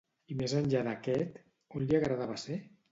I més enllà d'aquest, on li agradava ser?